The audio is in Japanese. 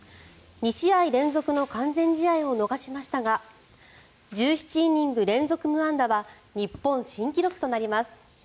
２試合連続の完全試合を逃しましたが１７イニング連続無安打は日本新記録となります。